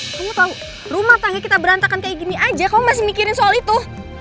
kamu tahu rumah tangga kita berantakan kayak gini aja kamu masih mikirin soal itu